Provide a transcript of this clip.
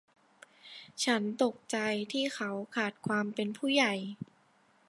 ฉันตกใจที่เขาขาดความเป็นผู้ใหญ่